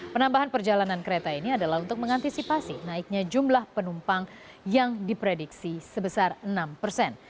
penambahan perjalanan kereta ini adalah untuk mengantisipasi naiknya jumlah penumpang yang diprediksi sebesar enam persen